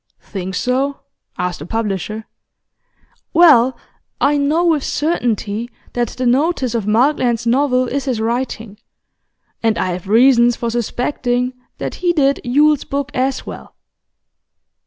'Think so?' asked the publisher. 'Well, I know with certainty that the notice of Markland's novel is his writing, and I have reasons for suspecting that he did Yule's book as well.